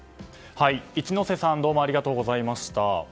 一之瀬さんどうもありがとうございました。